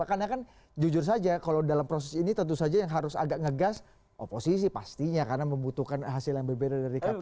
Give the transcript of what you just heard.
karena kan jujur saja kalau dalam proses ini tentu saja yang harus agak ngegas oposisi pastinya karena membutuhkan hasil yang berbeda dari kpu